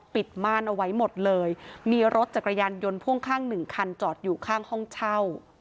ม่านเอาไว้หมดเลยมีรถจักรยานยนต์พ่วงข้างหนึ่งคันจอดอยู่ข้างห้องเช่า